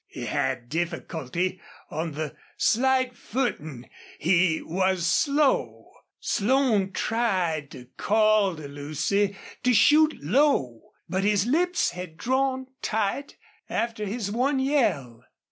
He had difficulty on the slight footing. He was slow. Slone tried to call to Lucy to shoot low, but his lips had drawn tight after his one yell.